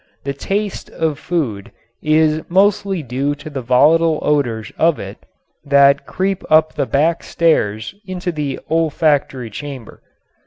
The "taste" of food is mostly due to the volatile odors of it that creep up the back stairs into the olfactory chamber.